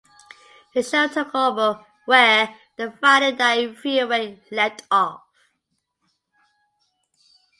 The show took over where "The Friday Night Threeway" left off.